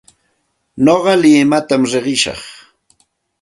Nuqa limatam riqishaq.